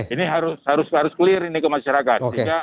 ini harus clear ini ke masyarakat